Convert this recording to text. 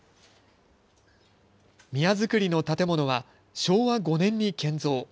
宮造りの建物は昭和５年に建造。